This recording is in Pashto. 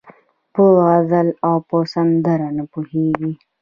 په غزل او په سندره نه پوهېږي